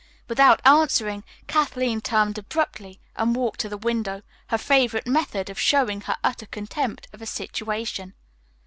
Without answering, Kathleen turned abruptly and walked to the window, her favorite method of showing her utter contempt of a situation.